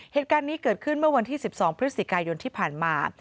เหตุการณ์นี้เกิดขึ้นเมื่อวันที่๑๒พฤศจิกายนที่ผ่านมา